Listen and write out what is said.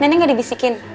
nenek gak dibisikin